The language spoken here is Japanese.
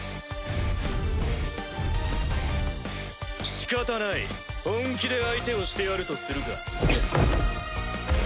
仕方ない本気で相手をしてやるとするか。